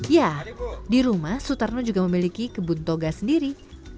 ya di rumah sutarno juga memiliki kebun toga sendiri